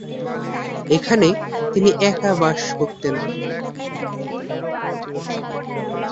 এখানে তিনি একা বসবাস করতেন।